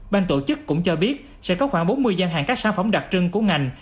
ban tổ chức cũng cho biết sẽ có khoảng bốn mươi gian hàng các sản phẩm đặc trưng của ngành